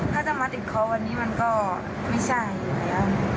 ถ้าจะมาติดเขาวันนี้มันก็ไม่ใช่อยู่แล้ว